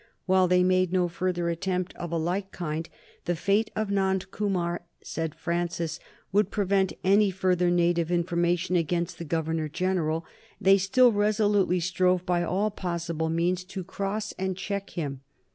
While they made no further attempt of a like kind the fate of Nand Kumar, said Francis, would prevent any further native information against the Governor General they still resolutely strove by all possible means to cross and check him.